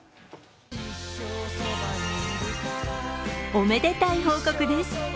おめでたい報告です。